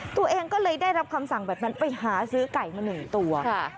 ตัวเองก็เลยได้รับคำสั่งแบบนั้นไปหาซื้อไก่มา๑ตัว